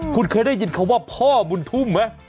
คุณเคยได้ยินคำว่าพ่อบุญทุ่มไหม